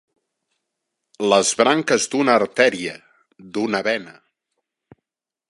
Les branques d'una artèria, d'una vena.